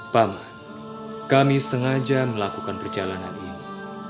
pam kami sengaja melakukan perjalanan ini